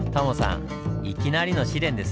いきなりの試練ですねぇ。